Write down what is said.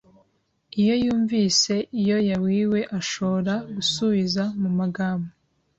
Iyo yumvise iyo yawiwe ashoora gusuiza mu magamo